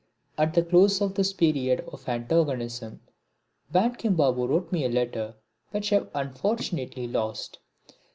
At the close of this period of antagonism Bankim Babu wrote me a letter which I have unfortunately lost.